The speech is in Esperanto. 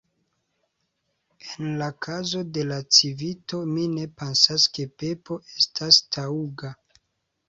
En la kazo de la Civito mi ne pensas ke Pepo estas taŭga.